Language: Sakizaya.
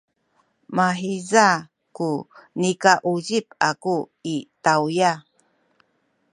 mahiza ku nikauzip aku i tawya.